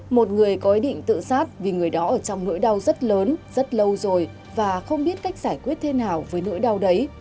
một người có ý định tự sát vì người đó ở trong nỗi đau rất lớn rất lâu rồi và không biết cách giải quyết thế nào với nỗi đau đấy